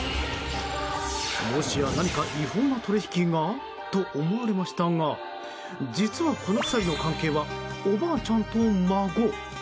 もしや、何か違法な取引がと思われましたが実は、この２人の関係はおばあちゃんと孫。